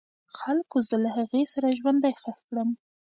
خلکو زه له هغې سره ژوندی خښ کړم.